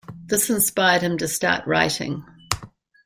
This inspired him to start writing.